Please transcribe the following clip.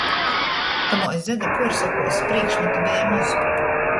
Tamuos dzeda puorsokuos prīškmatu beja moz.